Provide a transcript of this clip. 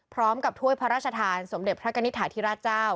พร้อมกับถ้วยพระราชทานสมเด็จพระกัณฑาธิราชเจ้า